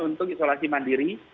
untuk isolasi mandiri